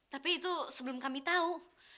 tapi itu sebelum kami tahu